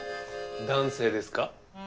男性ですか？